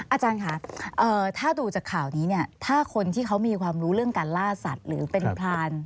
อาจารย์ค่ะถ้าดูจากข่าวนี้เนี่ยถ้าคนที่เขามีความรู้เรื่องการล่าสัตว์หรือเป็นพราน